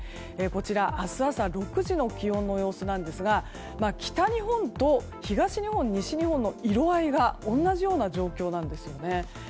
明日朝６時の気温の様子ですが北日本と東日本、西日本の色合いが同じような状況なんですよね。